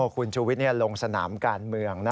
คุณชูวิทรเนี่ยลงสนามการเมืองนะ